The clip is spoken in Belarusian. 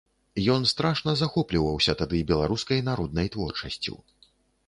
Ён страшна захопліваўся тады беларускай народнай творчасцю.